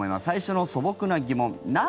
最初の素朴な疑問